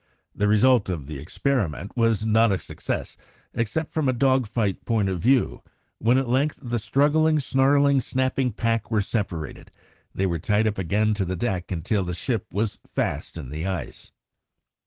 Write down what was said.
The result of the experiment was not a success, except from a dog fight point of view; when at length the struggling, snarling, snapping pack were separated, they were tied up again to the deck until the ship was fast in the ice.